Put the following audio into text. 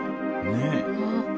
ねえ。